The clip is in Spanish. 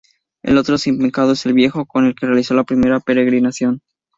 El otro simpecado es el "viejo", con el que se realizó la primera peregrinación.